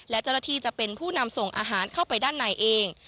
และเจ้าหน้าที่จะเป็นผู้นำส่งอาหารเข้าไปด้านในเอง